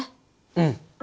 うん！